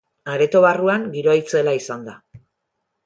Areto barruan, giroa itzela izan da.